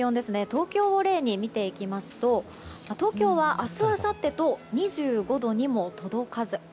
東京を例に見ていきますと東京は明日あさってと２５度にも届かず。